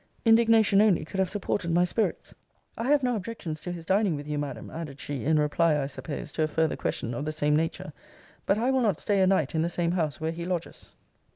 Indignation only could have supported my spirits! 'I have no objections to his dining with you, Madam;' added she, in reply, I suppose, to a farther question of the same nature 'But I will not stay a night in the same house where he lodges.'